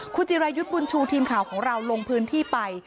คุณจิรายุทธ์บุญชูทีมข่าวของเราลงพื้นที่ไป